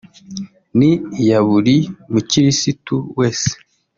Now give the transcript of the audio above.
ni iya buri mukirisitu wese